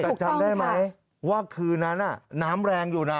แต่จำได้ไหมว่าคืนนั้นน้ำแรงอยู่นะ